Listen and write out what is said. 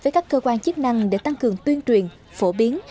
với các cơ quan chức năng để tăng cường tuyên truyền phổ biến